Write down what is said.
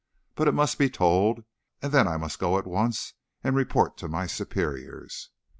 But it must be told, and then I must go at once and report to my superiors.